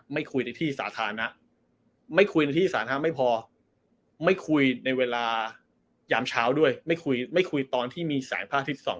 ไม่คุยในที่สาธารณะไม่คุยในที่สาธารณะไม่พอไม่คุยในเวลายามเช้าด้วยไม่คุยไม่คุยตอนที่มีสายภาคที่๒